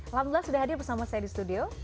alhamdulillah sudah hadir bersama saya di studio